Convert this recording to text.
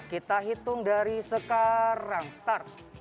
kita hitung dari sekarang start